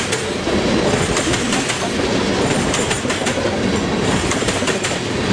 ছবিটি তৈরির পরে, সোভিয়েত ইউনিয়ন, গণপ্রজাতন্ত্রী পোল্যান্ডের মতো দেশ ছবিটি তাঁদের দেশে দেখানোর জন্য ঋত্বিক ঘটকের সাথে যোগাযোগ করে।